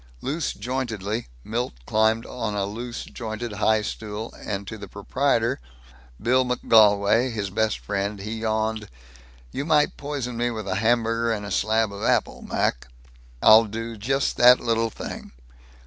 Loose jointedly Milt climbed a loose jointed high stool and to the proprietor, Bill McGolwey, his best friend, he yawned, "You might poison me with a hamburger and a slab of apple, Mac." "I'll just do that little thing.